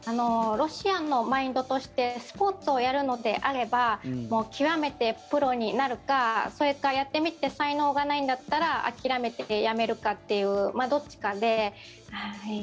ロシアのマインドとしてスポーツをやるのであれば究めてプロになるか、それかやってみて才能がないんだったら諦めてやめるかっていうどっちかで。